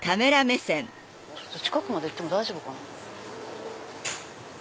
近くまで行っても大丈夫かな。